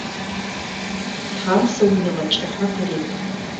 Тхьам псэуныгъэ кӏыхьэ къырет.